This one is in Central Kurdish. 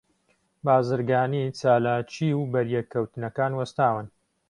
بازرگانی، چالاکی، و بەریەک کەوتنەکان وەستاون